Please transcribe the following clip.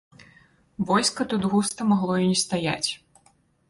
Войска тут густа магло і не стаяць.